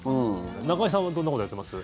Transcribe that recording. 中居さんはどんなことをやってます？